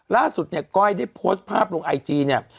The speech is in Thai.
ล่าสุดเนี่ยก้อยได้โพสต์ภาพลงไอจีเนี่ย